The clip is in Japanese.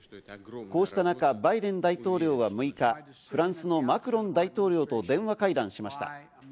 こうした中バイデン大統領は６日、フランスのマクロン大統領と電話会談しました。